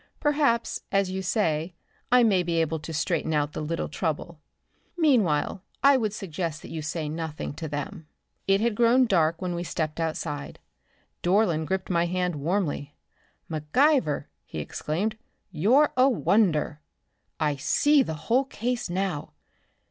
"Perhaps, as you say, I may be able to straighten out the little trouble. Meanwhile, I would suggest that you say nothing to them." It had grown dark when we stepped outside. Dorland gripped my hand warmly. "McIver," he exclaimed, "you're a wonder! I see the whole case now.